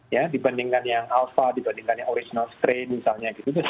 ya dibandingkan yang alpha dibandingkan yang original strain misalnya gitu